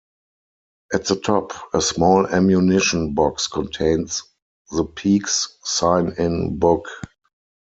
At the top, a small ammunition box contains the peak's sign-in book.